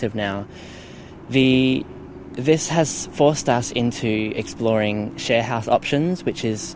ini memaksa kita untuk mencari opsi perumahan